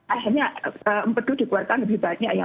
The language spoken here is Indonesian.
akhirnya empedu dikeluarkan lebih banyak ya